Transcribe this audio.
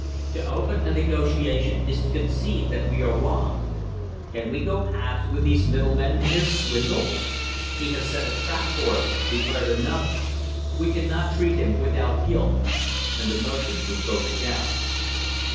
"To open a negotiation is to concede that we are wrong. Can we go halves with these middlemen in their swindle?" "He has set a trap for us," declared another. "We cannot treat with him without guilt," and the motion was voted down.